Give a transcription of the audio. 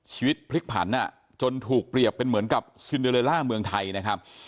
ชีวิตพลิกผันจนถูกเปรียบเป็นเหมือนกับซินเดอเลล่าเมืองไทยนะครับ